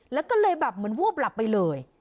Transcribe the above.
แล้วก็เลยแบบเหมือนวูบหลับไปเลย